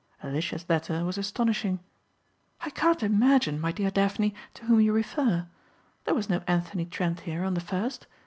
Alicia's letter was astonishing. "I can't imagine, my dear Daphne to whom you refer. There was no Anthony Trent here on the first.